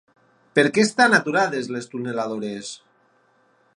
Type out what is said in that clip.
Per què estan aturades les tuneladores?